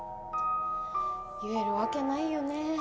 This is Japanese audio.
言えるわけないよね。